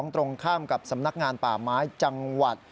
ตรงข้ามกับสำนักงานป่าไม้จังหวัด